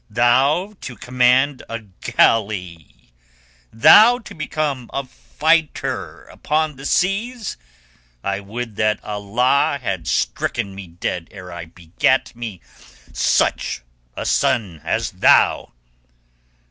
Thou to command a galley! Thou to become a fighter upon the seas! I would that Allah had stricken me dead ere I begat me such a son as thou!"